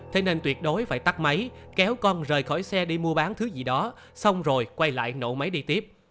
thế nên tuyệt đối phải tắt máy kéo con rời khỏi xe đi mua bán thứ gì đó xong rồi quay lại nổ máy đi tiếp